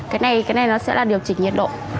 cái này nó sẽ là điều chỉnh nhiệt độ